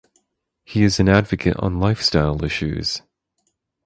He is an advocate on lifestyle issues.